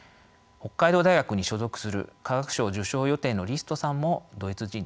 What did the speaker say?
北海道大学に所属する化学賞受賞予定のリストさんもドイツ人です。